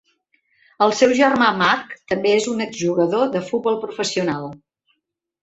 El seu germà Marc també és un ex-jugador de futbol professional.